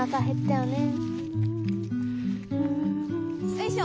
よいしょ。